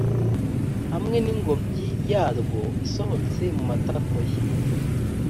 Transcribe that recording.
hamwe n’ingobyi yarwo isohotse mu matako ye;